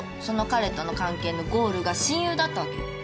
その彼との関係のゴールが親友だったわけよ。